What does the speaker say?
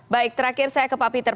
baik terakhir saya ke pak peter